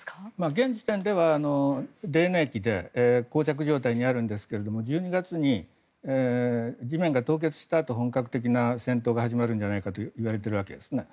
現時点では泥濘期でこう着状態にあるんですが１２月に地面が凍結したあと本格的な戦闘が始まるんじゃないかといわれているわけです。